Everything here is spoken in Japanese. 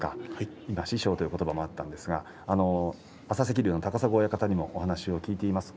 今、師匠ということばもあったんですが朝赤龍の高砂親方にもお話を聞いています。